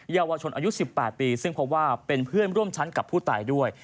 เยาวชนอายุ๑๘ปีซึ่งพบว่าเป็นเพื่อนร่วมชั้นกับผู้ตายด้วย